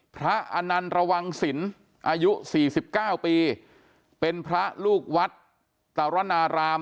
พระอนันรวงศิลป์อายุสี่สิบเก้าปีเป็นพระลูกวัดตรนาราม